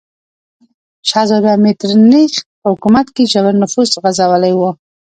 شهزاده میترنیخ په حکومت کې ژور نفوذ غځولی و.